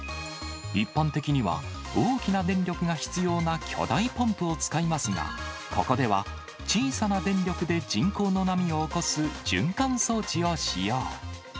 一般的には、大きな電力が必要な巨大ポンプを使いますが、ここでは、小さな電力で人工の波を起こす循環装置を使用。